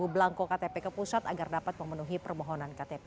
tujuh belangko ktp ke pusat agar dapat memenuhi permohonan ktp